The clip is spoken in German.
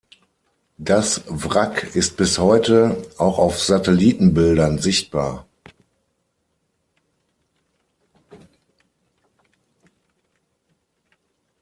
Das Wrack ist bis heute, auch auf Satellitenbildern, sichtbar.